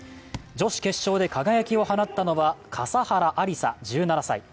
女子決勝で輝きを放ったのは笠原有彩１７歳。